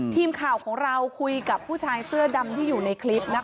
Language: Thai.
ทีมข่าวของเราคุยกับผู้ชายเสื้อดำที่อยู่ในคลิปนะคะ